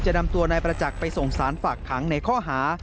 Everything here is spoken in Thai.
นำตัวนายประจักษ์ไปส่งสารฝากขังในข้อหา